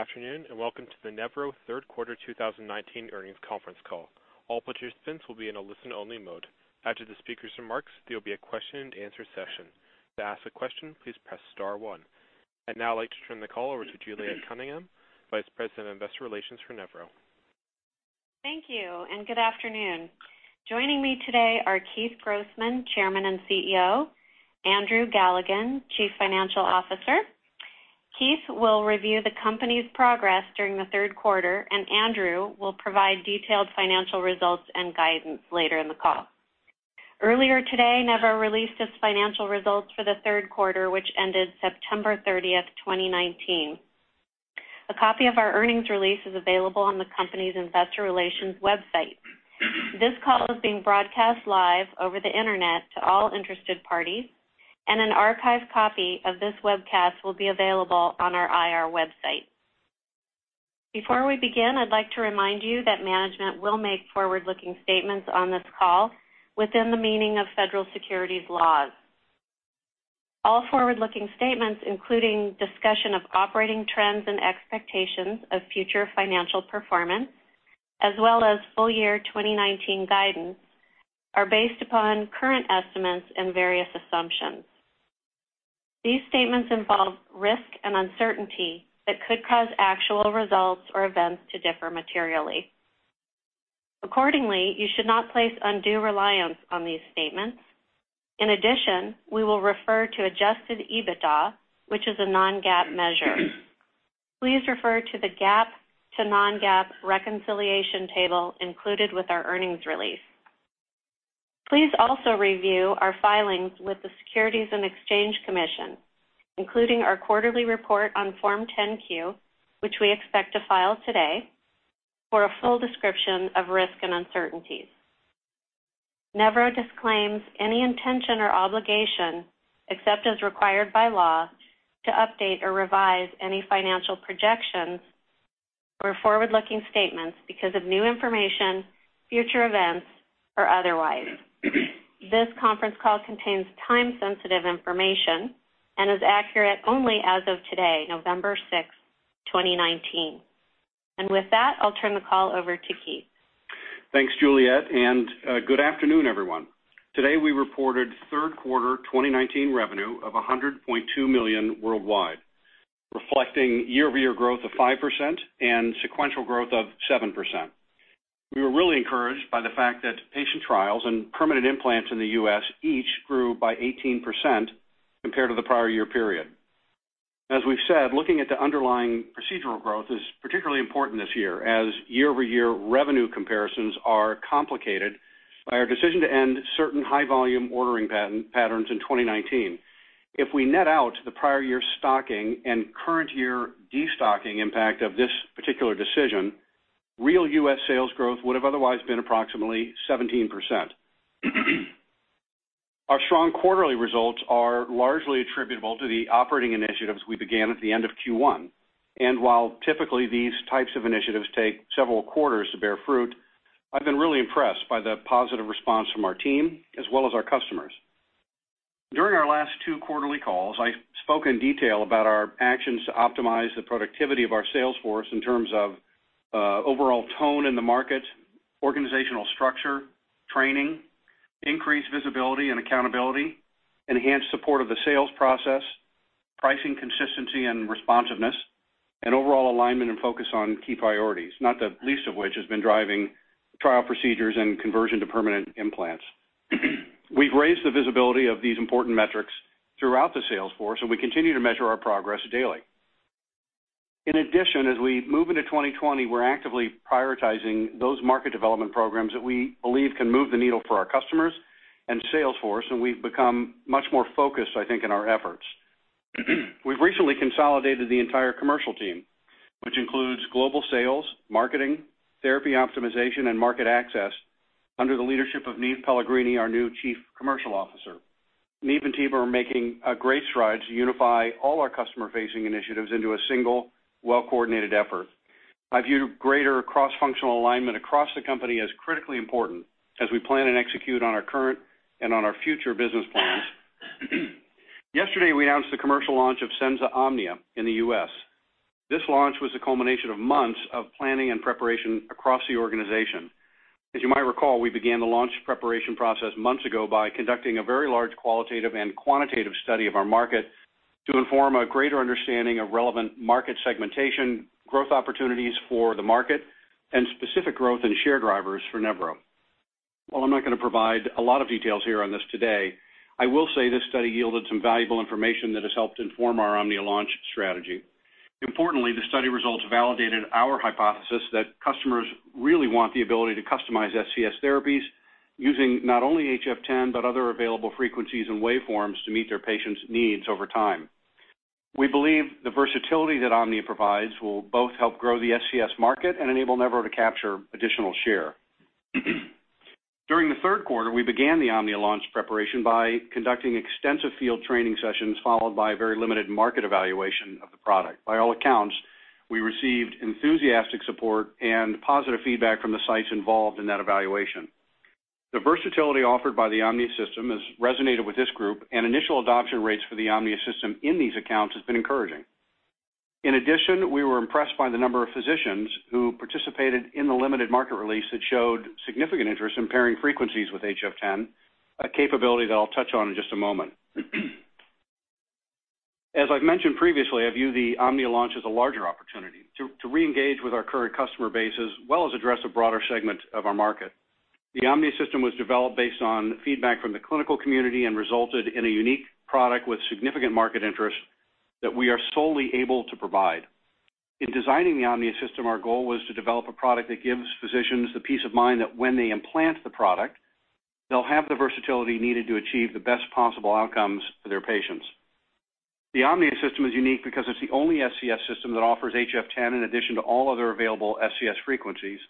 Good afternoon, and welcome to the Nevro third quarter 2019 earnings conference call. All participants will be in a listen-only mode. After the speakers' remarks, there will be a question and answer session. To ask a question, please press star one. I'd now like to turn the call over to Juliet Cunningham, Vice President of Investor Relations for Nevro. Thank you. Good afternoon. Joining me today are Keith Grossman, Chairman and CEO, Andrew Galligan, Chief Financial Officer. Keith will review the company's progress during the third quarter, and Andrew will provide detailed financial results and guidance later in the call. Earlier today, Nevro released its financial results for the third quarter, which ended September 30th, 2019. A copy of our earnings release is available on the company's investor relations website. This call is being broadcast live over the internet to all interested parties, and an archived copy of this webcast will be available on our IR website. Before we begin, I'd like to remind you that management will make forward-looking statements on this call within the meaning of federal securities laws. All forward-looking statements, including discussion of operating trends and expectations of future financial performance, as well as full year 2019 guidance, are based upon current estimates and various assumptions. These statements involve risk and uncertainty that could cause actual results or events to differ materially. Accordingly, you should not place undue reliance on these statements. In addition, we will refer to adjusted EBITDA, which is a non-GAAP measure. Please refer to the GAAP to non-GAAP reconciliation table included with our earnings release. Please also review our filings with the Securities and Exchange Commission, including our quarterly report on Form 10-Q, which we expect to file today, for a full description of risk and uncertainties. Nevro disclaims any intention or obligation, except as required by law, to update or revise any financial projections or forward-looking statements because of new information, future events, or otherwise. This conference call contains time-sensitive information and is accurate only as of today, November 6th, 2019. With that, I'll turn the call over to Keith. Thanks, Juliet. Good afternoon, everyone. Today, we reported third quarter 2019 revenue of $100.2 million worldwide, reflecting year-over-year growth of 5% and sequential growth of 7%. We were really encouraged by the fact that patient trials and permanent implants in the U.S. each grew by 18% compared to the prior year period. As we've said, looking at the underlying procedural growth is particularly important this year, as year-over-year revenue comparisons are complicated by our decision to end certain high-volume ordering patterns in 2019. If we net out the prior year's stocking and current year destocking impact of this particular decision, real U.S. sales growth would have otherwise been approximately 17%. Our strong quarterly results are largely attributable to the operating initiatives we began at the end of Q1. While typically these types of initiatives take several quarters to bear fruit, I've been really impressed by the positive response from our team as well as our customers. During our last two quarterly calls, I spoke in detail about our actions to optimize the productivity of our sales force in terms of overall tone in the market, organizational structure, training, increased visibility and accountability, enhanced support of the sales process, pricing consistency and responsiveness, and overall alignment and focus on key priorities, not the least of which has been driving trial procedures and conversion to permanent implants. We've raised the visibility of these important metrics throughout the sales force, and we continue to measure our progress daily. In addition, as we move into 2020, we're actively prioritizing those market development programs that we believe can move the needle for our customers and sales force, and we've become much more focused, I think, in our efforts. We've recently consolidated the entire commercial team, which includes global sales, marketing, therapy optimization, and market access under the leadership of Niamh Pellegrini, our new Chief Commercial Officer. Niamh and team are making great strides to unify all our customer-facing initiatives into a single, well-coordinated effort. I view greater cross-functional alignment across the company as critically important as we plan and execute on our current and on our future business plans. Yesterday, we announced the commercial launch of Senza Omnia in the U.S. This launch was the culmination of months of planning and preparation across the organization. As you might recall, we began the launch preparation process months ago by conducting a very large qualitative and quantitative study of our market to inform a greater understanding of relevant market segmentation, growth opportunities for the market, and specific growth and share drivers for Nevro. While I'm not going to provide a lot of details here on this today, I will say this study yielded some valuable information that has helped inform our Omnia launch strategy. Importantly, the study results validated our hypothesis that customers really want the ability to customize SCS therapies using not only HF10, but other available frequencies and waveforms to meet their patients' needs over time. We believe the versatility that Omnia provides will both help grow the SCS market and enable Nevro to capture additional share. During the third quarter, we began the Omnia launch preparation by conducting extensive field training sessions, followed by a very limited market evaluation of the product. By all accounts, we received enthusiastic support and positive feedback from the sites involved in that evaluation. The versatility offered by the Omnia System has resonated with this group, and initial adoption rates for the Omnia System in these accounts has been encouraging. In addition, we were impressed by the number of physicians who participated in the limited market release that showed significant interest in pairing frequencies with HF10, a capability that I'll touch on in just a moment. As I've mentioned previously, I view the Omnia launch as a larger opportunity to reengage with our current customer base, as well as address a broader segment of our market. The Omnia system was developed based on feedback from the clinical community and resulted in a unique product with significant market interest that we are solely able to provide. In designing the Omnia system, our goal was to develop a product that gives physicians the peace of mind that when they implant the product, they'll have the versatility needed to achieve the best possible outcomes for their patients. The Omnia system is unique because it's the only SCS system that offers HF10 in addition to all other available SCS frequencies.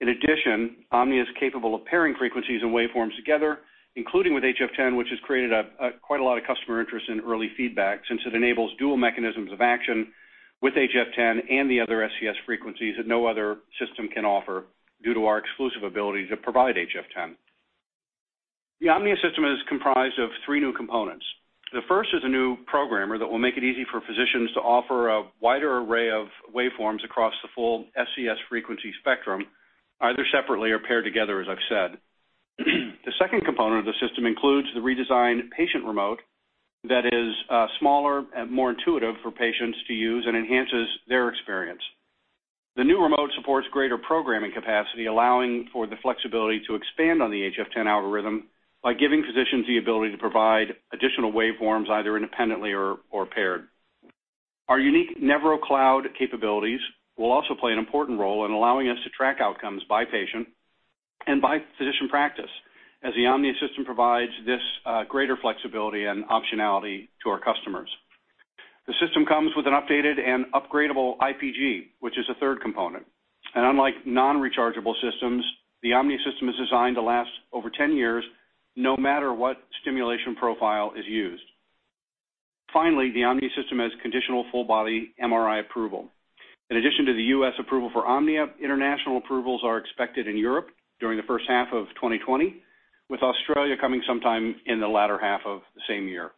In addition, Omnia is capable of pairing frequencies and waveforms together, including with HF10, which has created quite a lot of customer interest in early feedback, since it enables dual mechanisms of action with HF10 and the other SCS frequencies that no other system can offer due to our exclusive ability to provide HF10. The Omnia system is comprised of three new components. The first is a new programmer that will make it easy for physicians to offer a wider array of waveforms across the full SCS frequency spectrum, either separately or paired together, as I've said. The second component of the system includes the redesigned patient remote that is smaller and more intuitive for patients to use and enhances their experience. The new remote supports greater programming capacity, allowing for the flexibility to expand on the HF10 algorithm by giving physicians the ability to provide additional waveforms, either independently or paired. Our unique Nevro Cloud capabilities will also play an important role in allowing us to track outcomes by patient and by physician practice, as the Omnia system provides this greater flexibility and optionality to our customers. The system comes with an updated and upgradable IPG, which is a third component. Unlike non-rechargeable systems, the Omnia system is designed to last over ten years, no matter what stimulation profile is used. Finally, the Omnia system has conditional full-body MRI approval. In addition to the U.S. approval for Omnia, international approvals are expected in Europe during the first half of 2020, with Australia coming sometime in the latter half of the same year.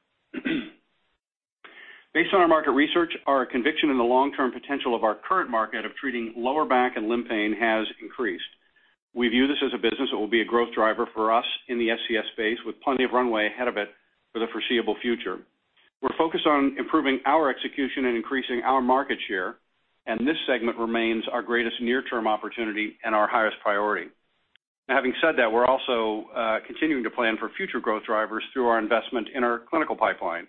Based on our market research, our conviction in the long-term potential of our current market of treating lower back and limb pain has increased. We view this as a business that will be a growth driver for us in the SCS space, with plenty of runway ahead of it for the foreseeable future. We're focused on improving our execution and increasing our market share, and this segment remains our greatest near-term opportunity and our highest priority. Having said that, we're also continuing to plan for future growth drivers through our investment in our clinical pipeline.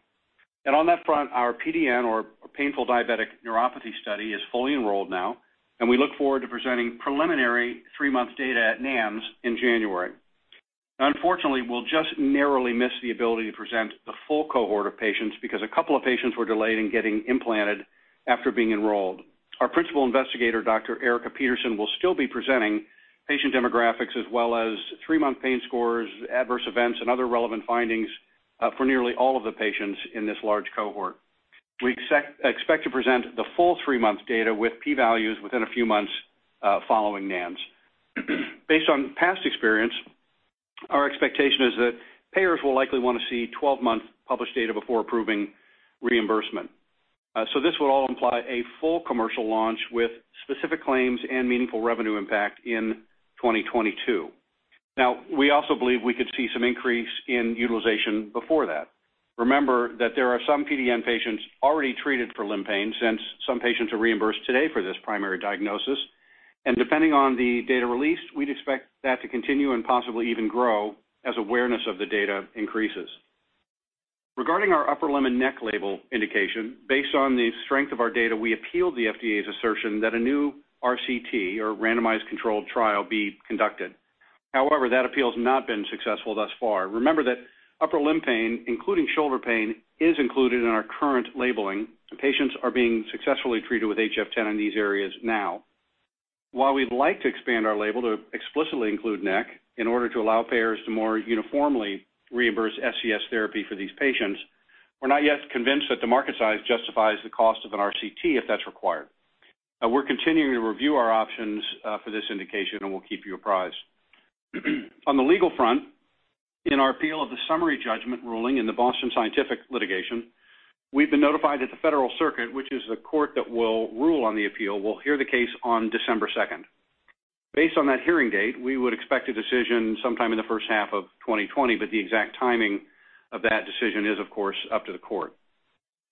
On that front, our PDN or Painful Diabetic Neuropathy study is fully enrolled now, and we look forward to presenting preliminary three-month data at NANS in January. Unfortunately, we'll just narrowly miss the ability to present the full cohort of patients because a couple of patients were delayed in getting implanted after being enrolled. Our principal investigator, Dr. Erika Petersen, will still be presenting patient demographics as well as three-month pain scores, adverse events, and other relevant findings for nearly all of the patients in this large cohort. We expect to present the full three-month data with P values within a few months following NANS. Based on past experience, our expectation is that payers will likely want to see 12-month published data before approving reimbursement. This would all imply a full commercial launch with specific claims and meaningful revenue impact in 2022. We also believe we could see some increase in utilization before that. Remember that there are some PDN patients already treated for limb pain, since some patients are reimbursed today for this primary diagnosis. Depending on the data released, we'd expect that to continue and possibly even grow as awareness of the data increases. Regarding our upper limb and neck label indication, based on the strength of our data, we appealed the FDA's assertion that a new RCT or randomized controlled trial be conducted. However, that appeal has not been successful thus far. Remember that upper limb pain, including shoulder pain, is included in our current labeling, and patients are being successfully treated with HF10 in these areas now. While we'd like to expand our label to explicitly include neck in order to allow payers to more uniformly reimburse SCS therapy for these patients, we're not yet convinced that the market size justifies the cost of an RCT if that's required. We're continuing to review our options for this indication, and we'll keep you apprised. On the legal front, in our appeal of the summary judgment ruling in the Boston Scientific litigation, we've been notified that the Federal Circuit, which is the court that will rule on the appeal, will hear the case on December 2nd. Based on that hearing date, we would expect a decision sometime in the first half of 2020, but the exact timing of that decision is, of course, up to the court.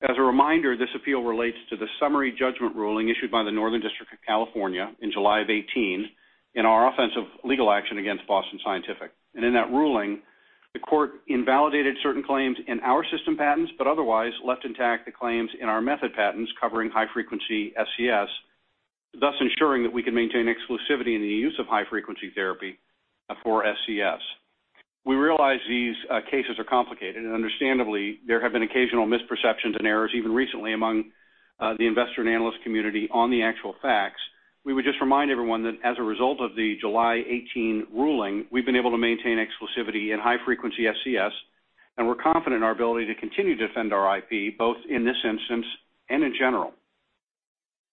As a reminder, this appeal relates to the summary judgment ruling issued by the Northern District of California in July of 2018 in our offensive legal action against Boston Scientific. In that ruling, the court invalidated certain claims in our system patents but otherwise left intact the claims in our method patents covering high-frequency SCS, thus ensuring that we can maintain exclusivity in the use of high-frequency therapy for SCS. We realize these cases are complicated, and understandably, there have been occasional misperceptions and errors, even recently among the investor and analyst community on the actual facts. We would just remind everyone that as a result of the July 2018 ruling, we've been able to maintain exclusivity in high-frequency SCS, and we're confident in our ability to continue to defend our IP, both in this instance and in general.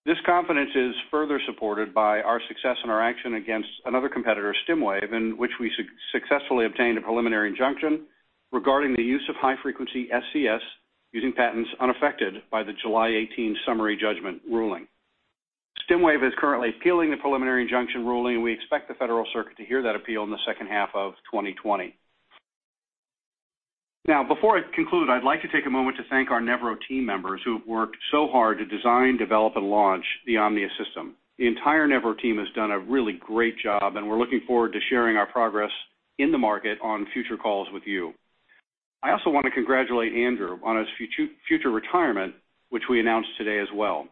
This confidence is further supported by our success in our action against another competitor, Stimwave, in which we successfully obtained a preliminary injunction regarding the use of high-frequency SCS using patents unaffected by the July 18 summary judgment ruling. Stimwave is currently appealing the preliminary injunction ruling. We expect the Federal Circuit to hear that appeal in the second half of 2020. Before I conclude, I'd like to take a moment to thank our Nevro team members who have worked so hard to design, develop, and launch the Omnia system. The entire Nevro team has done a really great job, and we're looking forward to sharing our progress in the market on future calls with you. I also want to congratulate Andrew on his future retirement, which we announced today as well.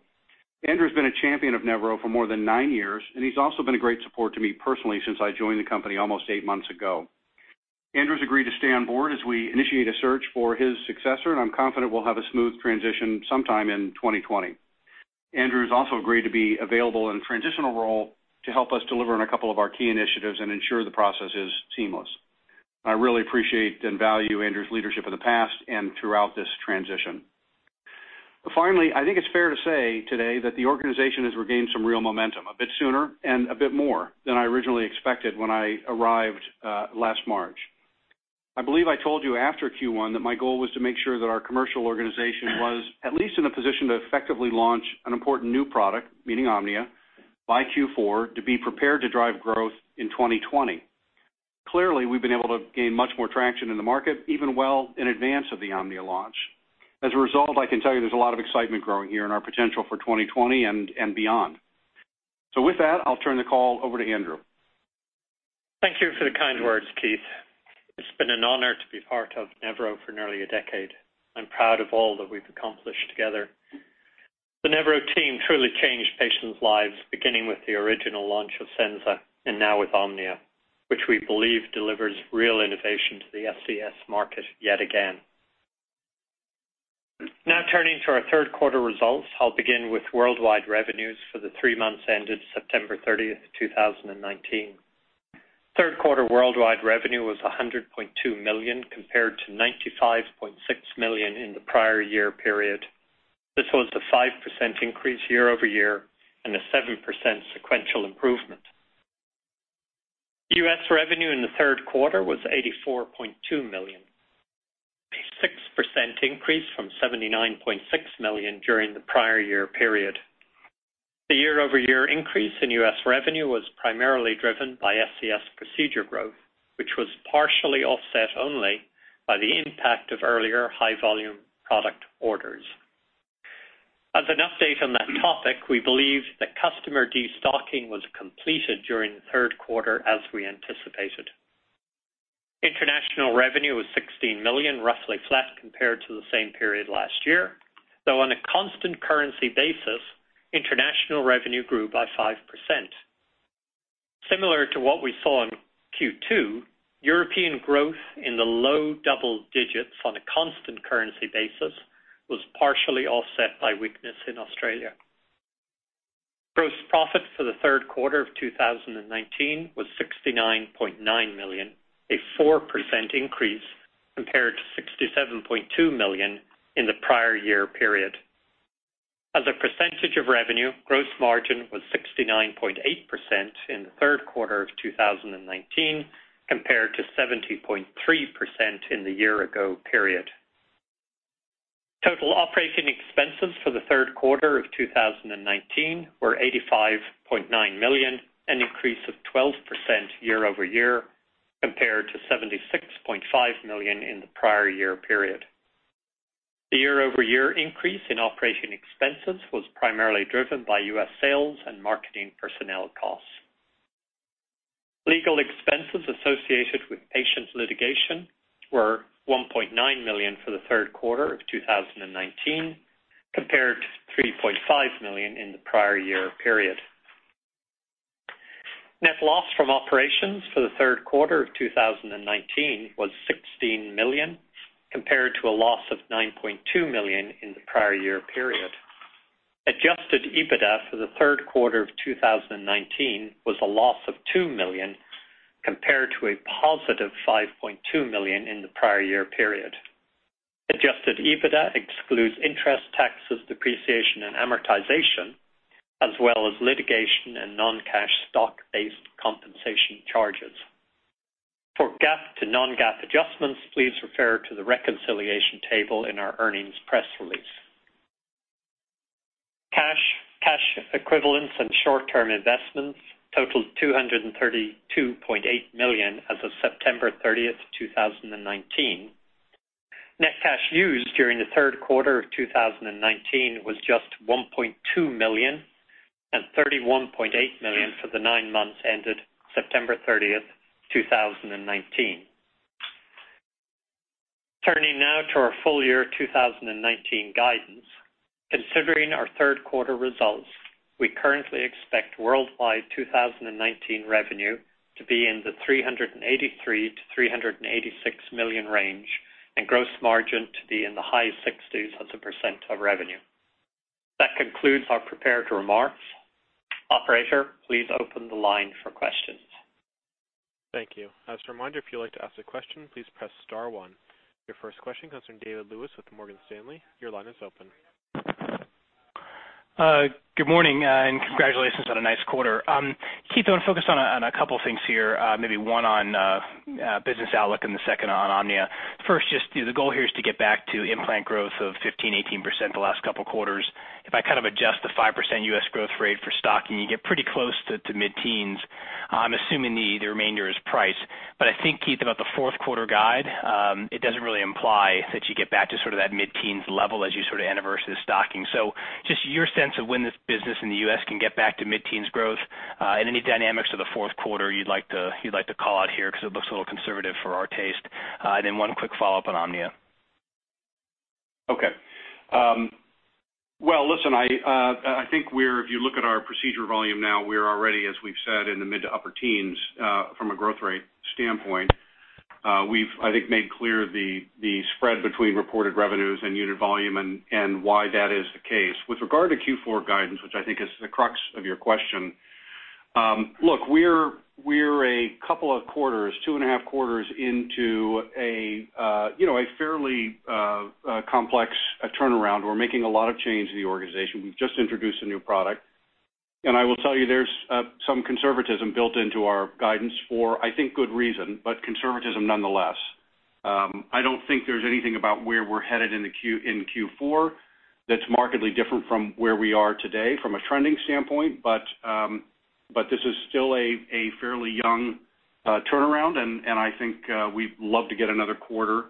Andrew's been a champion of Nevro for more than nine years, and he's also been a great support to me personally since I joined the company almost eight months ago. Andrew's agreed to stay on board as we initiate a search for his successor, and I'm confident we'll have a smooth transition sometime in 2020. Andrew's also agreed to be available in a transitional role to help us deliver on a couple of our key initiatives and ensure the process is seamless. I really appreciate and value Andrew's leadership in the past and throughout this transition. Finally, I think it's fair to say today that the organization has regained some real momentum, a bit sooner and a bit more than I originally expected when I arrived last March. I believe I told you after Q1 that my goal was to make sure that our commercial organization was at least in a position to effectively launch an important new product, meaning Omnia, by Q4 to be prepared to drive growth in 2020. Clearly, we've been able to gain much more traction in the market, even well in advance of the Omnia launch. As a result, I can tell you there's a lot of excitement growing here in our potential for 2020 and beyond. With that, I'll turn the call over to Andrew. Thank you for the kind words, Keith. It's been an honor to be part of Nevro for nearly a decade. I'm proud of all that we've accomplished together. The Nevro team truly changed patients' lives, beginning with the original launch of Senza, and now with Omnia, which we believe delivers real innovation to the SCS market yet again. Turning to our third quarter results, I'll begin with worldwide revenues for the three months ended September 30th, 2019. Third-quarter worldwide revenue was $100.2 million compared to $95.6 million in the prior year period. This was a 5% increase year-over-year and a 7% sequential improvement. U.S. revenue in the third quarter was $84.2 million, a 6% increase from $79.6 million during the prior year period. The year-over-year increase in U.S. revenue was primarily driven by SCS procedure growth, which was partially offset only by the impact of earlier high-volume product orders. As an update on that topic, we believe that customer destocking was completed during the third quarter as we anticipated. International revenue was $16 million, roughly flat compared to the same period last year, though on a constant currency basis, international revenue grew by 5%. Similar to what we saw in Q2, European growth in the low double digits on a constant currency basis was partially offset by weakness in Australia. Gross profit for the third quarter of 2019 was $69.9 million, a 4% increase compared to $67.2 million in the prior year period. As a percentage of revenue, gross margin was 69.8% in the third quarter of 2019 compared to 70.3% in the year-ago period. Total operating expenses for the third quarter of 2019 were $85.9 million, an increase of 12% year-over-year compared to $76.5 million in the prior year period. The year-over-year increase in operating expenses was primarily driven by U.S. sales and marketing personnel costs. Legal expenses associated with patent litigation were $1.9 million for the third quarter of 2019 compared to $3.5 million in the prior year period. Net loss from operations for the third quarter of 2019 was $16 million compared to a loss of $9.2 million in the prior year period. Adjusted EBITDA for the third quarter of 2019 was a loss of $2 million compared to a positive $5.2 million in the prior year period. Adjusted EBITDA excludes interest, taxes, depreciation, and amortization, as well as litigation and non-cash stock-based compensation charges. For GAAP to non-GAAP adjustments, please refer to the reconciliation table in our earnings press release. Cash equivalents and short-term investments totaled $232.8 million as of September 30th, 2019. Net cash used during the third quarter of 2019 was just $1.2 million and $31.8 million for the nine months ended September 30th, 2019. Turning now to our full-year 2019 guidance. Considering our third quarter results, we currently expect worldwide 2019 revenue to be in the $383-$386 million range and gross margin to be in the high 60s as a % of revenue. That concludes our prepared remarks. Operator, please open the line for questions. Thank you. As a reminder, if you'd like to ask a question, please press star one. Your first question comes from David Lewis with Morgan Stanley. Your line is open. Good morning, and congratulations on a nice quarter. Keith, I want to focus on one on business outlook and the second on Omnia. First, just the goal here is to get back to implant growth of 15%-18% the last couple of quarters. If I kind of adjust the 5% U.S. growth rate for stocking, you get pretty close to mid-teens. I'm assuming the remainder is price. I think, Keith, about the fourth quarter guide, it doesn't really imply that you get back to sort of that mid-teens level as you sort of anniversary the stocking. Just your sense of when this business in the U.S. can get back to mid-teens growth, and any dynamics for the fourth quarter you'd like to call out here, because it looks a little conservative for our taste. One quick follow-up on Omnia. Okay. Well, listen, I think if you look at our procedure volume now, we're already, as we've said, in the mid to upper teens from a growth rate standpoint. We've, I think, made clear the spread between reported revenues and unit volume and why that is the case. With regard to Q4 guidance, which I think is the crux of your question. Look, we're a couple of quarters, two and a half quarters into a fairly complex turnaround. We're making a lot of change in the organization. We've just introduced a new product, and I will tell you there's some conservatism built into our guidance for, I think, good reason, but conservatism nonetheless. I don't think there's anything about where we're headed in Q4 that's markedly different from where we are today from a trending standpoint. This is still a fairly young turnaround, and I think we'd love to get another quarter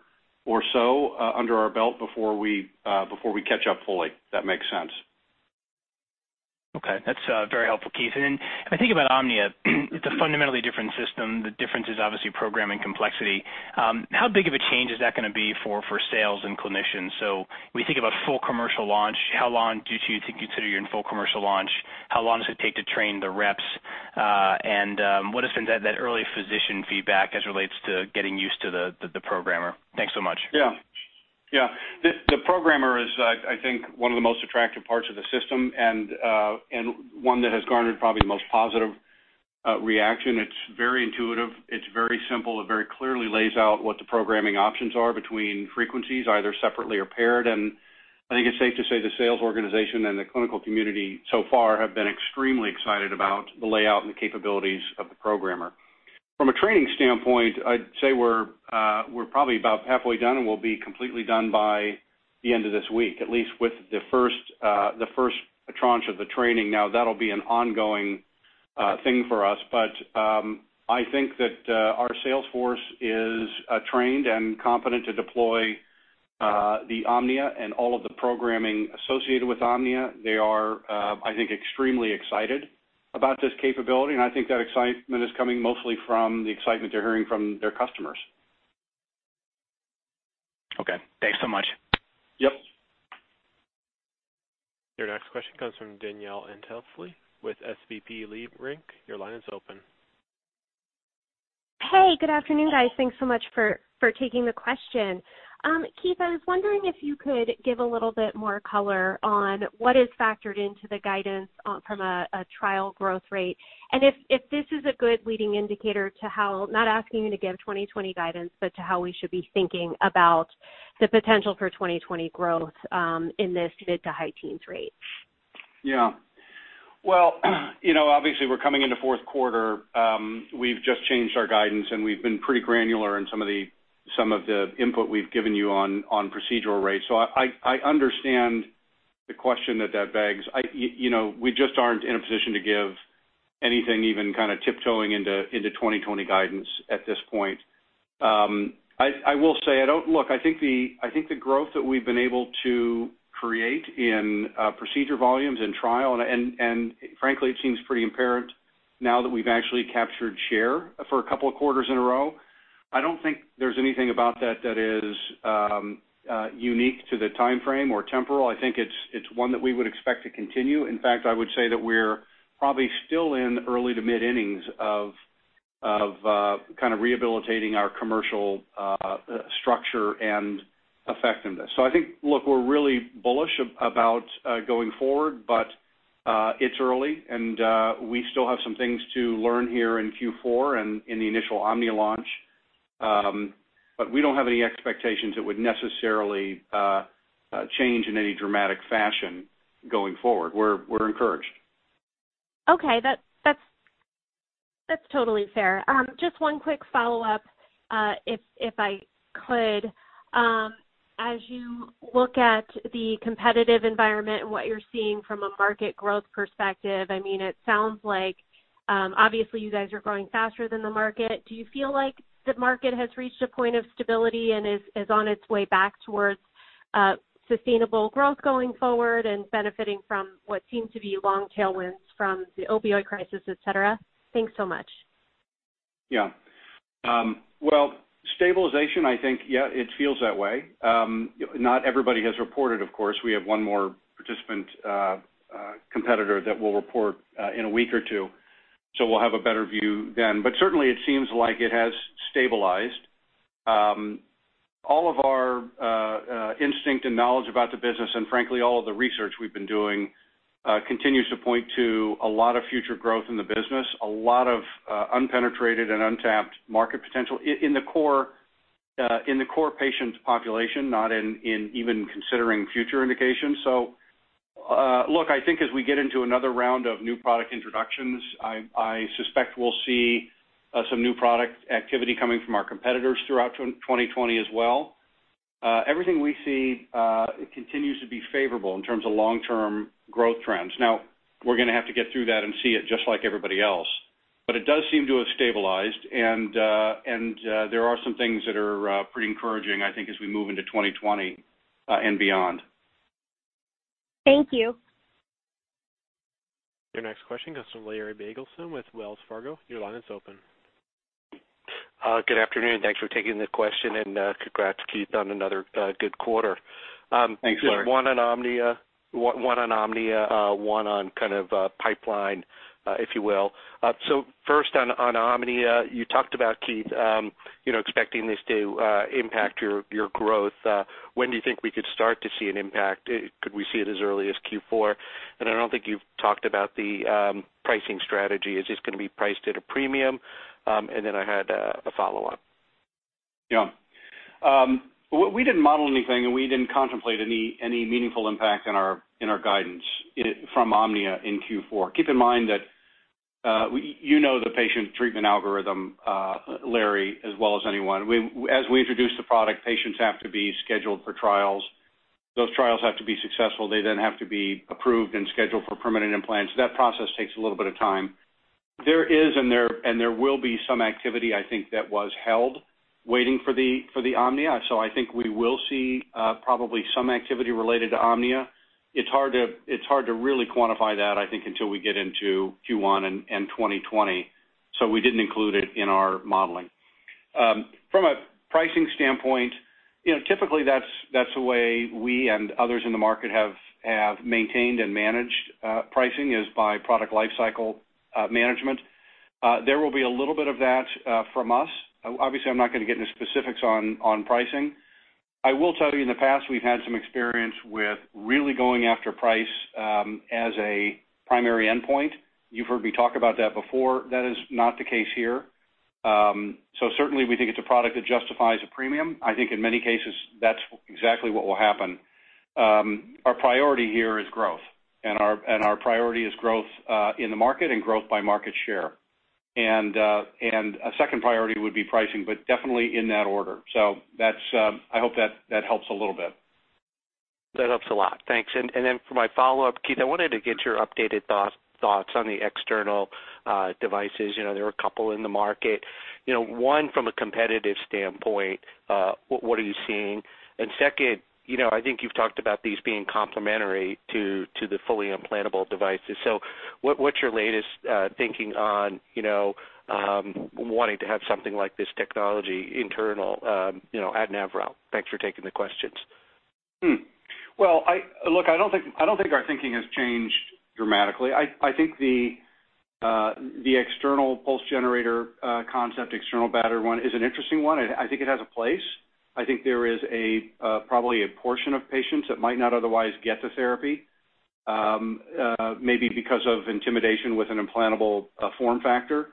or so under our belt before we catch up fully, If that makes sense. Okay. That's very helpful, Keith. If I think about Omnia, it's a fundamentally different system. The difference is obviously programming complexity. How big of a change is that going to be for sales and clinicians? When you think about full commercial launch, how long do you think consider you're in full commercial launch? How long does it take to train the reps? What has been that early physician feedback as relates to getting used to the programmer? Thanks so much. The programmer is, I think, one of the most attractive parts of the system and one that has garnered probably the most positive reaction. It's very intuitive. It's very simple. It very clearly lays out what the programming options are between frequencies, either separately or paired. I think it's safe to say the sales organization and the clinical community so far have been extremely excited about the layout and the capabilities of the programmer. From a training standpoint, I'd say we're probably about halfway done, and we'll be completely done by the end of this week, at least with the first tranche of the training. That'll be an ongoing thing for us. I think that our sales force is trained and competent to deploy the Omnia and all of the programming associated with Omnia. They are, I think, extremely excited about this capability, and I think that excitement is coming mostly from the excitement they're hearing from their customers. Okay. Thanks so much. Yep. Your next question comes from Danielle Antalffy with SVB Leerink. Your line is open. Hey, good afternoon, guys. Thanks so much for taking the question. Keith, I was wondering if you could give a little bit more color on what is factored into the guidance from a trial growth rate, and if this is a good leading indicator to how, not asking you to give 2020 guidance, but to how we should be thinking about the potential for 2020 growth in this mid to high teens rate. Yeah. Well, obviously, we're coming into fourth quarter. We've just changed our guidance, and we've been pretty granular in some of the input we've given you on procedural rates. I understand the question that begs. We just aren't in a position to give anything even tiptoeing into 2020 guidance at this point. I will say, look, I think the growth that we've been able to create in procedure volumes and trial, and frankly, it seems pretty apparent now that we've actually captured share for a couple of quarters in a row. I don't think there's anything about that that is unique to the timeframe or temporal. I think it's one that we would expect to continue. In fact, I would say that we're probably still in early to mid innings of kind of rehabilitating our commercial structure and effectiveness. I think, look, we're really bullish about going forward, but it's early, and we still have some things to learn here in Q4 and in the initial Omnia launch. We don't have any expectations it would necessarily change in any dramatic fashion going forward. We're encouraged. Okay. That's totally fair. Just one quick follow-up, if I could. As you look at the competitive environment and what you're seeing from a market growth perspective, it sounds like, obviously, you guys are growing faster than the market. Do you feel like the market has reached a point of stability and is on its way back towards sustainable growth going forward and benefiting from what seem to be long tailwinds from the opioid crisis, et cetera? Thanks so much. Well, stabilization, it feels that way. Not everybody has reported, of course. We have one more participant competitor that will report in a week or two, so we'll have a better view then. Certainly, it seems like it has stabilized. All of our instinct and knowledge about the business, and frankly, all of the research we've been doing continues to point to a lot of future growth in the business, a lot of unpenetrated and untapped market potential in the core patient population, not in even considering future indications. Look, I think as we get into another round of new product introductions, I suspect we'll see some new product activity coming from our competitors throughout 2020 as well. Everything we see continues to be favorable in terms of long-term growth trends. We're going to have to get through that and see it just like everybody else. It does seem to have stabilized, and there are some things that are pretty encouraging, I think, as we move into 2020 and beyond. Thank you. Your next question comes from Larry Biegelsen with Wells Fargo. Your line is open. Good afternoon. Thanks for taking the question, and congrats, Keith, on another good quarter. Thanks, Larry. Just one on Omnia, one on kind of pipeline, if you will. First on Omnia, you talked about, Keith, expecting this to impact your growth. When do you think we could start to see an impact? Could we see it as early as Q4? I don't think you've talked about the pricing strategy. Is this going to be priced at a premium? I had a follow-up. We didn't model anything. We didn't contemplate any meaningful impact in our guidance from Omnia in Q4. Keep in mind that you know the patient treatment algorithm, Larry, as well as anyone. As we introduce the product, patients have to be scheduled for trials. Those trials have to be successful. They then have to be approved and scheduled for permanent implants. That process takes a little bit of time. There is and there will be some activity, I think, that was held waiting for the Omnia. I think we will see probably some activity related to Omnia. It's hard to really quantify that, I think, until we get into Q1 and 2020. We didn't include it in our modeling. From a pricing standpoint, typically, that's the way we and others in the market have maintained and managed pricing is by product life cycle management. There will be a little bit of that from us. Obviously, I'm not going to get into specifics on pricing. I will tell you, in the past, we've had some experience with really going after price as a primary endpoint. You've heard me talk about that before. That is not the case here. Certainly, we think it's a product that justifies a premium. I think in many cases, that's exactly what will happen. Our priority here is growth, and our priority is growth in the market and growth by market share. A second priority would be pricing, but definitely in that order. I hope that helps a little bit. That helps a lot. Thanks. For my follow-up, Keith, I wanted to get your updated thoughts on the external devices. There are a couple in the market. One, from a competitive standpoint, what are you seeing? Second, I think you've talked about these being complementary to the fully implantable devices. What's your latest thinking on wanting to have something like this technology internal at Nevro? Thanks for taking the questions. Look, I don't think our thinking has changed dramatically. I think the external pulse generator concept, external battery one, is an interesting one. I think it has a place. I think there is probably a portion of patients that might not otherwise get the therapy, maybe because of intimidation with an implantable form factor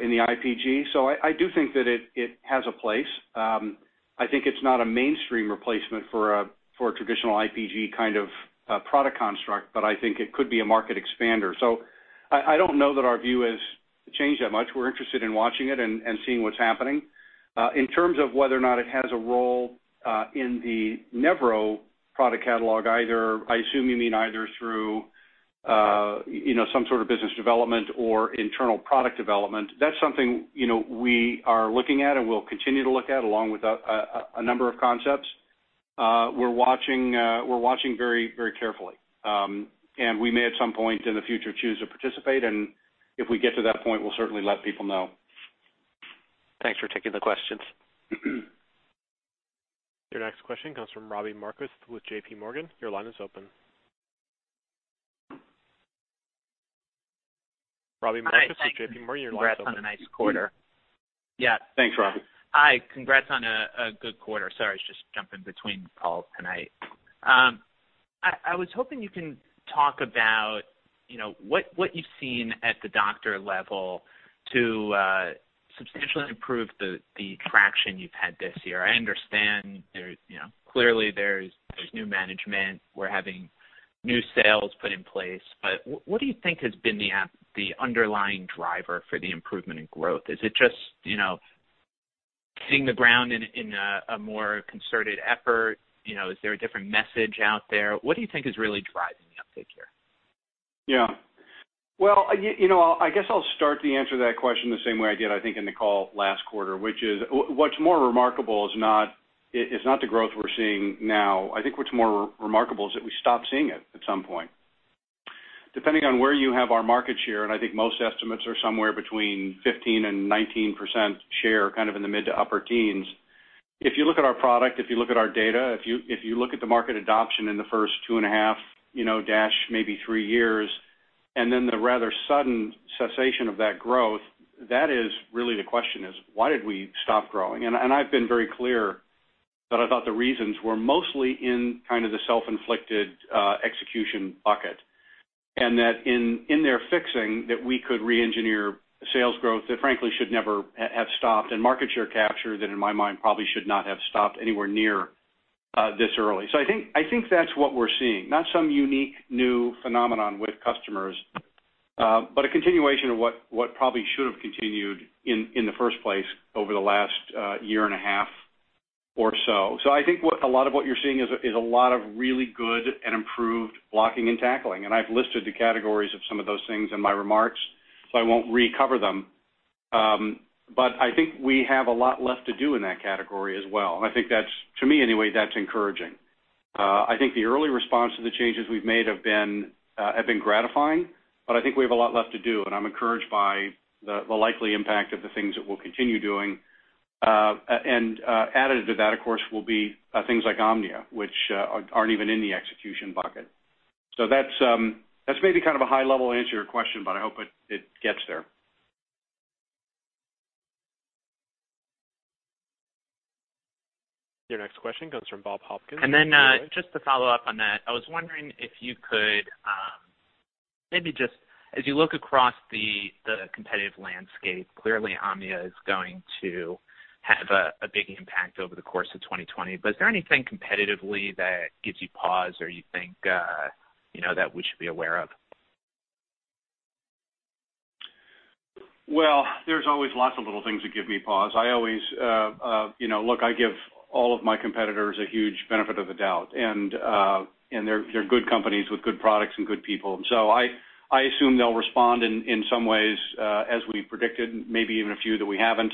in the IPG. I do think that it has a place. I think it's not a mainstream replacement for a traditional IPG kind of product construct, but I think it could be a market expander. I don't know that our view has changed that much. We're interested in watching it and seeing what's happening. In terms of whether or not it has a role in the Nevro product catalog, I assume you mean either through some sort of business development or internal product development. That's something we are looking at and will continue to look at, along with a number of concepts. We're watching very carefully, and we may at some point in the future choose to participate, and if we get to that point, we'll certainly let people know. Thanks for taking the questions. Your next question comes from Robbie Marcus with J.P. Morgan. Your line is open. Congrats on a nice quarter. Yeah. Thanks, Robbie. Hi. Congrats on a good quarter. Sorry, I was just jumping between calls tonight. I was hoping you can talk about what you've seen at the doctor level to substantially improve the traction you've had this year. I understand clearly there's new management. We're having new sales put in place. What do you think has been the underlying driver for the improvement in growth? Is it just hitting the ground in a more concerted effort? Is there a different message out there? What do you think is really driving the uptake here? Yeah. Well, I guess I’ll start to answer that question the same way I did, I think, in the call last quarter, which is what’s more remarkable is not the growth we’re seeing now. I think what’s more remarkable is that we stop seeing it at some point. Depending on where you have our market share, and I think most estimates are somewhere between 15% and 19% share, kind of in the mid to upper teens. If you look at our product, if you look at our data, if you look at the market adoption in the first two and a half, maybe three years. Then the rather sudden cessation of that growth, that is really the question is, why did we stop growing? I've been very clear that I thought the reasons were mostly in the self-inflicted execution bucket, and that in their fixing, that we could reengineer sales growth that frankly should never have stopped, and market share capture that in my mind, probably should not have stopped anywhere near this early. I think that's what we're seeing, not some unique new phenomenon with customers, but a continuation of what probably should have continued in the first place over the last year and a half or so. I think a lot of what you're seeing is a lot of really good and improved blocking and tackling. I've listed the categories of some of those things in my remarks, so I won't re-cover them. I think we have a lot left to do in that category as well, and to me anyway, that's encouraging. I think the early response to the changes we've made have been gratifying, but I think we have a lot left to do, and I'm encouraged by the likely impact of the things that we'll continue doing. Added to that, of course, will be things like Omnia, which aren't even in the execution bucket. That's maybe a high-level answer to your question, but I hope it gets there. Your next question comes from Bob Hopkins. Just to follow up on that, I was wondering if you could, maybe just as you look across the competitive landscape, clearly Omnia is going to have a big impact over the course of 2020. Is there anything competitively that gives you pause or you think that we should be aware of? Well, there's always lots of little things that give me pause. Look, I give all of my competitors a huge benefit of the doubt, and they're good companies with good products and good people. I assume they'll respond in some ways as we predicted, maybe even a few that we haven't.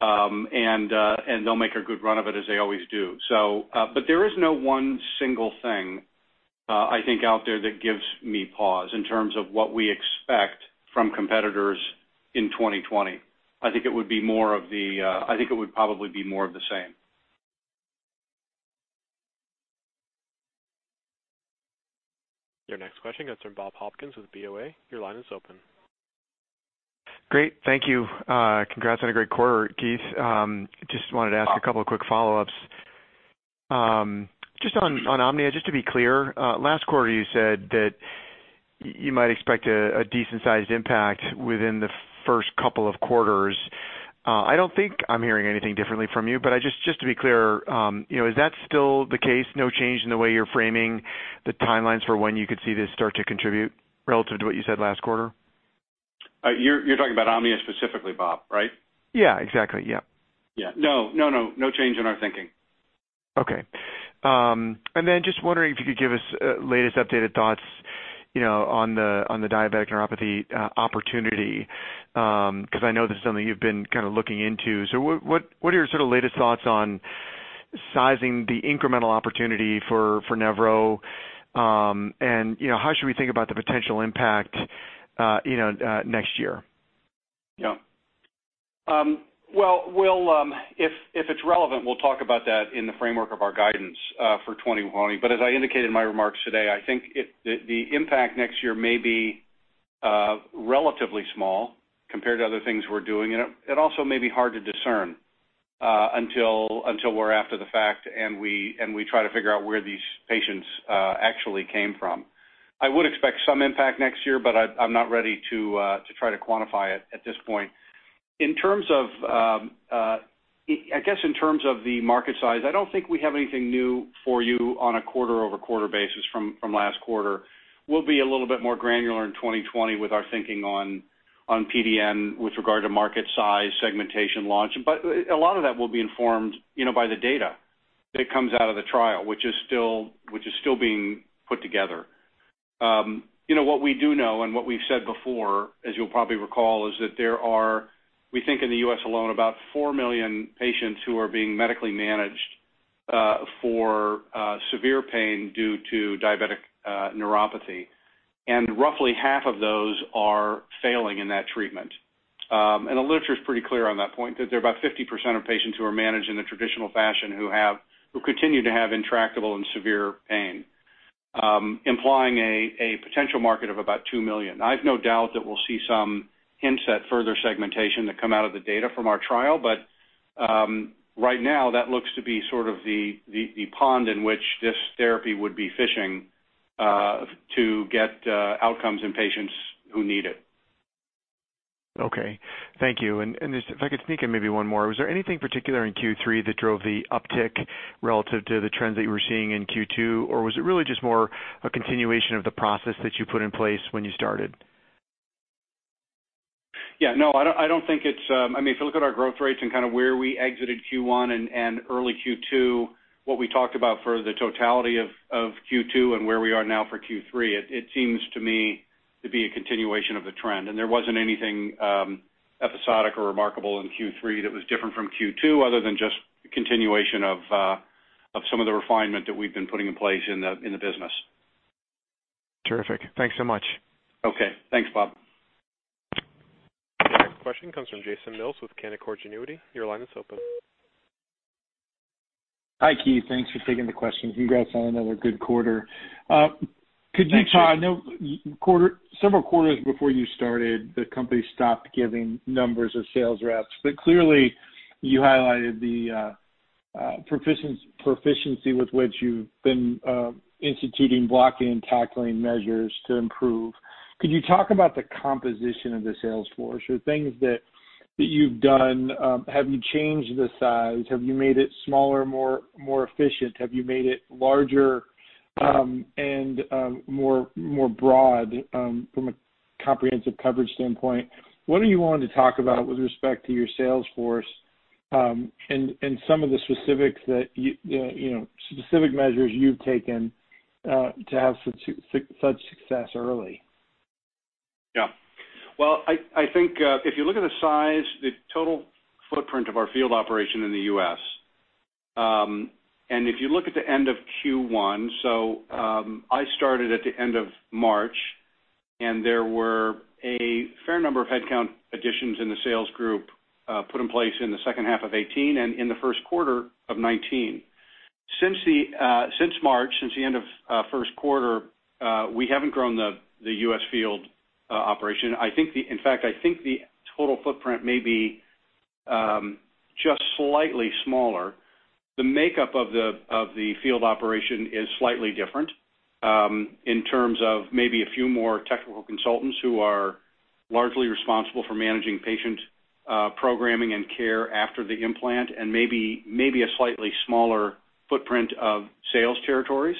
They'll make a good run of it as they always do. There is no one single thing, I think out there that gives me pause in terms of what we expect from competitors in 2020. I think it would probably be more of the same. Your next question comes from Bob Hopkins with BofA. Your line is open. Great. Thank you. Congrats on a great quarter, Keith. Just wanted to ask a couple of quick follow-ups. Just on Omnia, just to be clear, last quarter you said that you might expect a decent-sized impact within the first couple of quarters. I don't think I'm hearing anything differently from you, but just to be clear, is that still the case? No change in the way you're framing the timelines for when you could see this start to contribute relative to what you said last quarter? You're talking about Omnia specifically, Bob, right? Yeah, exactly. Yep. No change in our thinking. Okay. Just wondering if you could give us latest updated thoughts on the diabetic neuropathy opportunity, because I know this is something you've been kind of looking into. What are your sort of latest thoughts on sizing the incremental opportunity for Nevro? How should we think about the potential impact next year? Yeah. Well, if it's relevant, we'll talk about that in the framework of our guidance for 2020. As I indicated in my remarks today, I think the impact next year may be relatively small compared to other things we're doing, and it also may be hard to discern until we're after the fact and we try to figure out where these patients actually came from. I would expect some impact next year, but I'm not ready to try to quantify it at this point. I guess in terms of the market size, I don't think we have anything new for you on a quarter-over-quarter basis from last quarter. We'll be a little bit more granular in 2020 with our thinking on PDN with regard to market size, segmentation launch. A lot of that will be informed by the data that comes out of the trial, which is still being put together. What we do know and what we've said before, as you'll probably recall, is that there are, we think in the U.S. alone, about 4 million patients who are being medically managed for severe pain due to Diabetic Neuropathy, and roughly half of those are failing in that treatment. The literature's pretty clear on that point, that there are about 50% of patients who are managed in the traditional fashion who continue to have intractable and severe pain, implying a potential market of about 2 million. I have no doubt that we'll see some hints at further segmentation that come out of the data from our trial, but right now that looks to be sort of the pond in which this therapy would be fishing to get outcomes in patients who need it. Okay. Thank you. If I could sneak in maybe one more, was there anything particular in Q3 that drove the uptick relative to the trends that you were seeing in Q2, or was it really just more a continuation of the process that you put in place when you started? Yeah. If you look at our growth rates and kind of where we exited Q1 and early Q2, what we talked about for the totality of Q2 and where we are now for Q3, it seems to me to be a continuation of the trend. There wasn't anything episodic or remarkable in Q3 that was different from Q2 other than just continuation of some of the refinement that we've been putting in place in the business. Terrific. Thanks so much. Okay. Thanks, Bob. Question comes from Jason Mills with Canaccord Genuity. Your line is open. Hi, Keith. Thanks for taking the questions. Congrats on another good quarter. Thanks, Jason. Todd, several quarters before you started, the company stopped giving numbers of sales reps. Clearly, you highlighted the proficiency with which you've been instituting blocking and tackling measures to improve. Could you talk about the composition of the sales force or things that you've done? Have you changed the size? Have you made it smaller, more efficient? Have you made it larger and more broad from a comprehensive coverage standpoint? What are you wanting to talk about with respect to your sales force and some of the specific measures you've taken to have such success early? Yeah. Well, I think if you look at the size, the total footprint of our field operation in the U.S., if you look at the end of Q1, so I started at the end of March, there were a fair number of headcount additions in the sales group put in place in the second half of 2018 and in the first quarter of 2019. Since March, since the end of first quarter, we haven't grown the U.S. field operation. In fact, I think the total footprint may be just slightly smaller. The makeup of the field operation is slightly different in terms of maybe a few more technical consultants who are largely responsible for managing patient programming and care after the implant, and maybe a slightly smaller footprint of sales territories.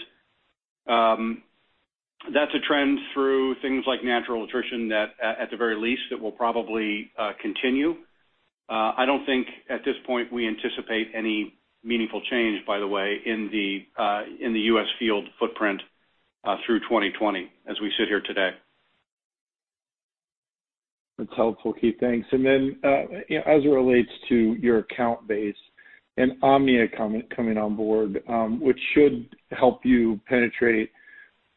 That's a trend through things like natural attrition that at the very least, it will probably continue. I don't think at this point we anticipate any meaningful change, by the way, in the U.S. field footprint through 2020 as we sit here today. That's helpful, Keith. Thanks. Then as it relates to your account base and Omnia coming on board, which should help you penetrate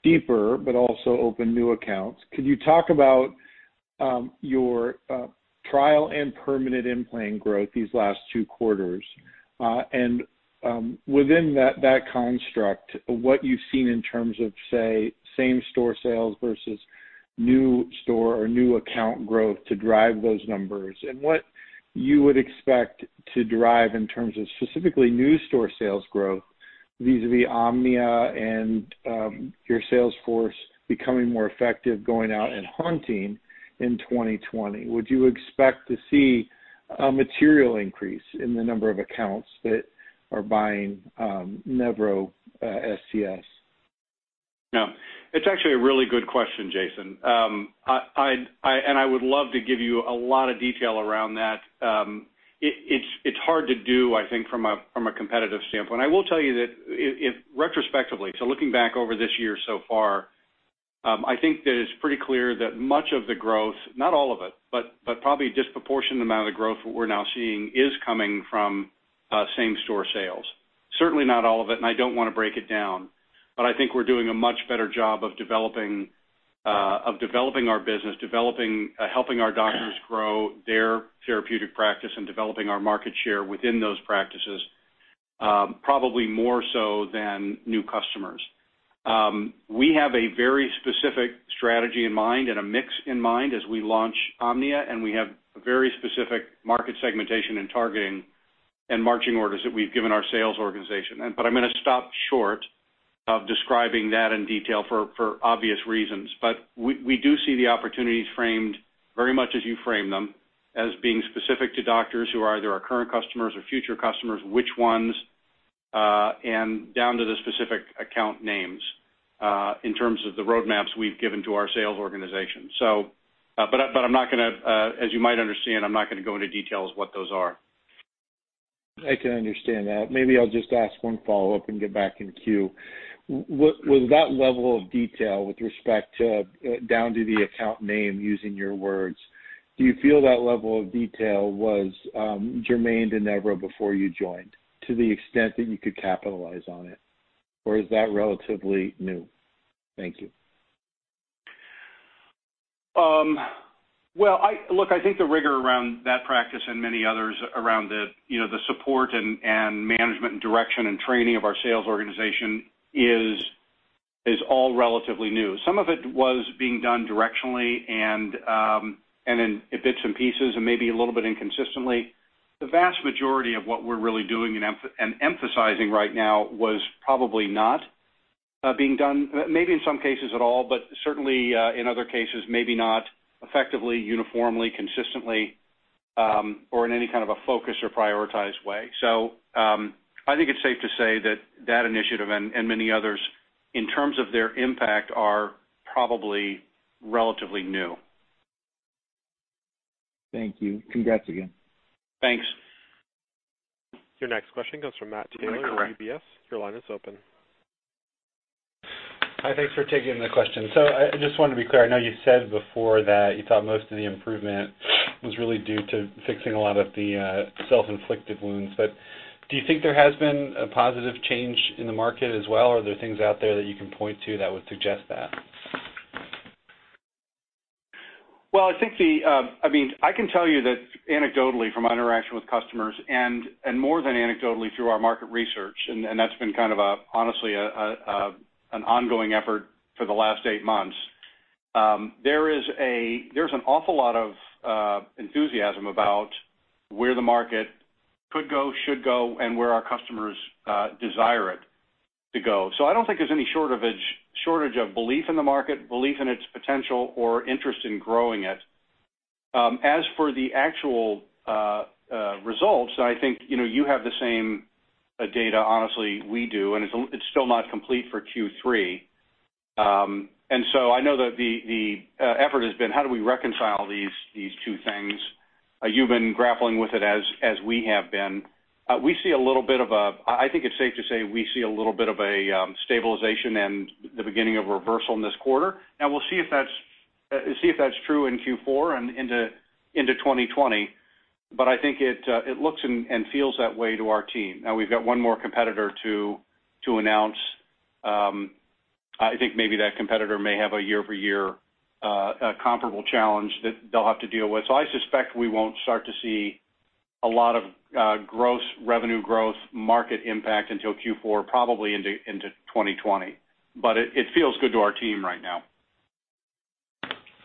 deeper, but also open new accounts, could you talk about your trial and permanent implant growth these last 2 quarters? Within that construct, what you've seen in terms of, say, same-store sales versus new store or new account growth to drive those numbers, and what you would expect to drive in terms of specifically new store sales growth vis-à-vis Omnia and your sales force becoming more effective going out and hunting in 2020. Would you expect to see a material increase in the number of accounts that are buying Nevro SCS? No. It's actually a really good question, Jason. I would love to give you a lot of detail around that. It's hard to do, I think, from a competitive standpoint. I will tell you that retrospectively, so looking back over this year so far, I think that it's pretty clear that much of the growth, not all of it, but probably a disproportionate amount of the growth that we're now seeing is coming from same-store sales. Certainly not all of it, and I don't want to break it down, but I think we're doing a much better job of developing our business, helping our doctors grow their therapeutic practice, and developing our market share within those practices probably more so than new customers. We have a very specific strategy in mind and a mix in mind as we launch Omnia, and we have very specific market segmentation and targeting and marching orders that we've given our sales organization. I'm going to stop short of describing that in detail for obvious reasons. We do see the opportunities framed very much as you frame them, as being specific to doctors who are either our current customers or future customers, which ones, and down to the specific account names in terms of the roadmaps we've given to our sales organization. As you might understand, I'm not going to go into details what those are. I can understand that. Maybe I'll just ask one follow-up and get back in queue. With that level of detail with respect to down to the account name, using your words, do you feel that level of detail was germane to Nevro before you joined to the extent that you could capitalize on it? Or is that relatively new? Thank you. Well, look, I think the rigor around that practice and many others around the support and management and direction and training of our sales organization is all relatively new. Some of it was being done directionally and in bits and pieces, and maybe a little bit inconsistently. The vast majority of what we're really doing and emphasizing right now was probably not being done, maybe in some cases at all, but certainly in other cases, maybe not effectively, uniformly, consistently, or in any kind of a focused or prioritized way. I think it's safe to say that that initiative and many others, in terms of their impact, are probably relatively new. Thank you. Congrats again. Thanks. Your next question comes from Matt Taylor with UBS. Your line is open. Hi, thanks for taking the question. I just wanted to be clear, I know you said before that you thought most of the improvement was really due to fixing a lot of the self-inflicted wounds. Do you think there has been a positive change in the market as well? Are there things out there that you can point to that would suggest that? Well, I can tell you that anecdotally from interaction with customers and more than anecdotally through our market research, and that's been kind of honestly an ongoing effort for the last eight months. There's an awful lot of enthusiasm about where the market could go, should go and where our customers desire it to go. I don't think there's any shortage of belief in the market, belief in its potential or interest in growing it. As for the actual results, I think you have the same data, honestly, we do, and it's still not complete for Q3. I know that the effort has been how do we reconcile these two things? You've been grappling with it as we have been. I think it's safe to say we see a little bit of a stabilization and the beginning of a reversal in this quarter, and we'll see if that's true in Q4 and into 2020. I think it looks and feels that way to our team. Now we've got one more competitor to announce. I think maybe that competitor may have a year-over-year comparable challenge that they'll have to deal with. I suspect we won't start to see a lot of gross revenue growth market impact until Q4, probably into 2020. It feels good to our team right now.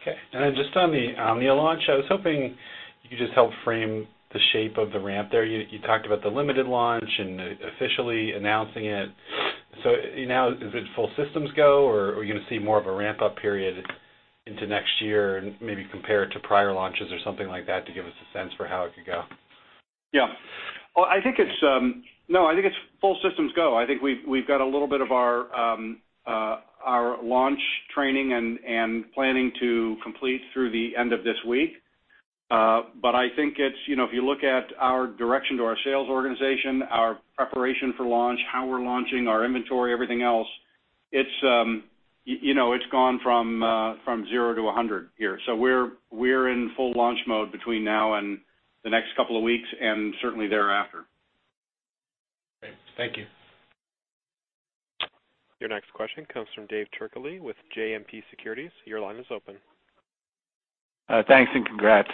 Okay. Just on the Omnia launch, I was hoping you could just help frame the shape of the ramp there. You talked about the limited launch and officially announcing it. Now is it full systems go, or are you going to see more of a ramp-up period into next year and maybe compare it to prior launches or something like that to give us a sense for how it could go? Yeah. No, I think it's full systems go. I think we've got a little bit of our launch training and planning to complete through the end of this week. I think if you look at our direction to our sales organization, our preparation for launch, how we're launching our inventory, everything else, it's gone from zero to 100 here. We're in full launch mode between now and the next couple of weeks, and certainly thereafter. Great. Thank you. Your next question comes from Dave Turkaly with JMP Securities. Your line is open. Thanks and congrats.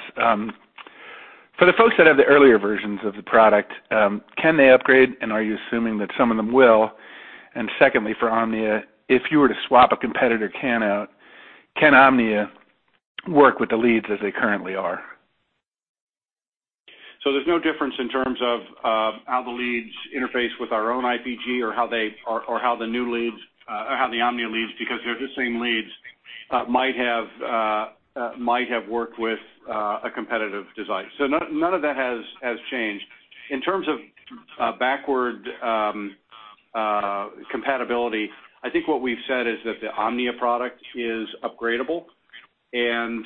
For the folks that have the earlier versions of the product, can they upgrade and are you assuming that some of them will? Secondly, for Omnia, if you were to swap a competitor can out, can Omnia work with the leads as they currently are? There's no difference in terms of how the leads interface with our own IPG or how the Omnia leads, because they're the same leads, might have worked with a competitive device. None of that has changed. In terms of backward compatibility, I think what we've said is that the Omnia product is upgradable, and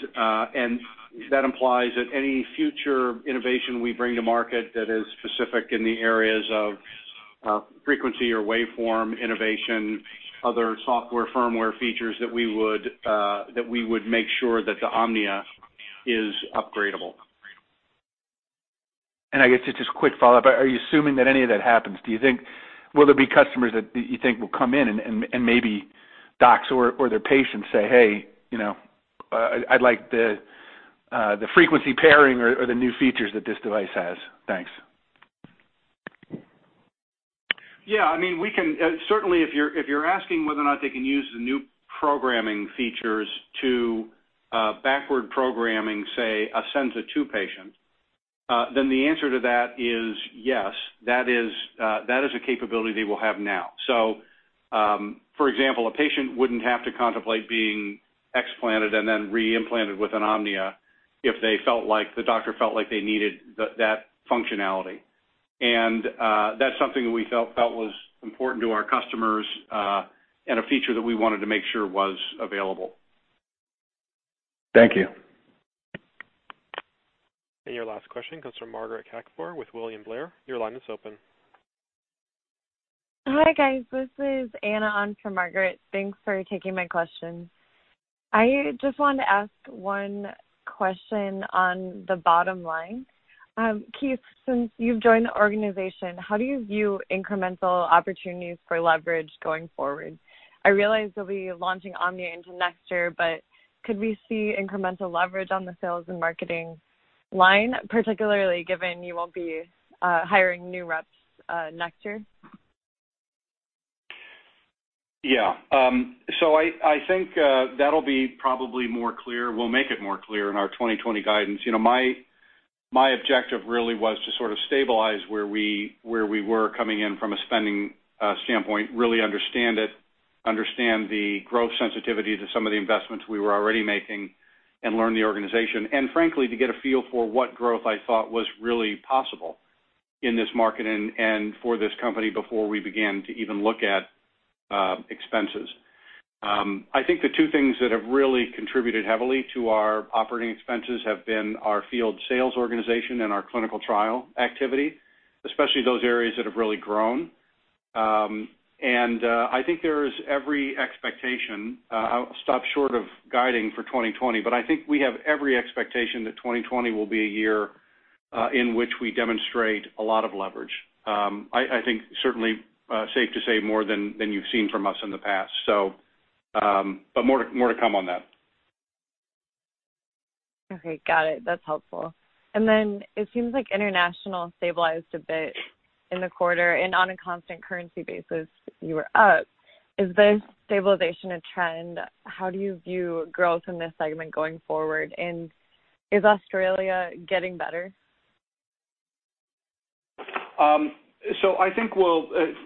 that implies that any future innovation we bring to market that is specific in the areas of frequency or waveform innovation, other software firmware features that we would make sure that the Omnia is upgradable. I guess just a quick follow-up. Are you assuming that any of that happens? Will there be customers that you think will come in and maybe docs or their patients say, "Hey, I'd like the frequency pairing or the new features that this device has." Thanks. Yeah. Certainly, if you're asking whether or not they can use the new programming features to backward programming, say, a Senza II patient, the answer to that is yes. That is a capability they will have now. For example, a patient wouldn't have to contemplate being explanted and then re-implanted with an Omnia if the doctor felt like they needed that functionality. That's something that we felt was important to our customers, and a feature that we wanted to make sure was available. Thank you. Your last question comes from Margaret Kaczor with William Blair. Your line is open. Hi, guys. This is Anna on for Margaret. Thanks for taking my question. I just wanted to ask one question on the bottom line. Keith, since you've joined the organization, how do you view incremental opportunities for leverage going forward? I realize you'll be launching Omnia into next year, but could we see incremental leverage on the sales and marketing line, particularly given you won't be hiring new reps next year? I think that'll be probably more clear. We'll make it more clear in our 2020 guidance. My objective really was to sort of stabilize where we were coming in from a spending standpoint, really understand it, understand the growth sensitivity to some of the investments we were already making, and learn the organization. Frankly, to get a feel for what growth I thought was really possible in this market and for this company before we begin to even look at expenses. I think the two things that have really contributed heavily to our operating expenses have been our field sales organization and our clinical trial activity, especially those areas that have really grown. I think there is every expectation, I'll stop short of guiding for 2020, but I think we have every expectation that 2020 will be a year in which we demonstrate a lot of leverage. I think certainly safe to say more than you've seen from us in the past. More to come on that. Okay, got it. That's helpful. It seems like international stabilized a bit in the quarter, and on a constant currency basis, you were up. Is this stabilization a trend? How do you view growth in this segment going forward? Is Australia getting better? I think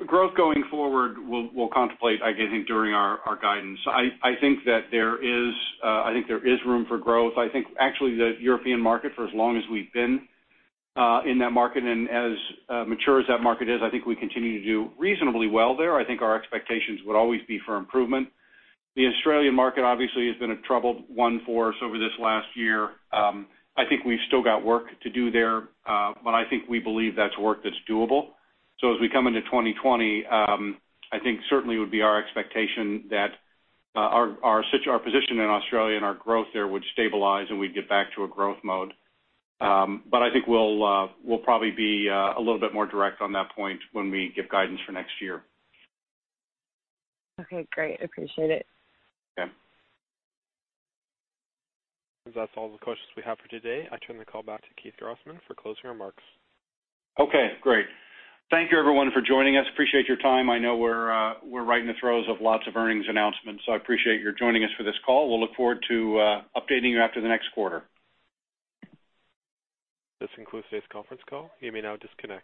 growth going forward we'll contemplate, I think, during our guidance. I think there is room for growth. I think actually the European market, for as long as we've been in that market, and as mature as that market is, I think we continue to do reasonably well there. I think our expectations would always be for improvement. The Australian market obviously has been a troubled one for us over this last year. I think we've still got work to do there. I think we believe that's work that's doable. As we come into 2020, I think certainly it would be our expectation that our position in Australia and our growth there would stabilize, and we'd get back to a growth mode. I think we'll probably be a little bit more direct on that point when we give guidance for next year. Okay, great. Appreciate it. Yeah. That's all the questions we have for today. I turn the call back to Keith Grossman for closing remarks. Okay, great. Thank you everyone for joining us. Appreciate your time. I know we're right in the throes of lots of earnings announcements, so I appreciate your joining us for this call. We'll look forward to updating you after the next quarter. This concludes today's conference call. You may now disconnect.